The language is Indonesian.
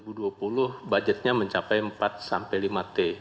budgetnya mencapai empat sampai lima t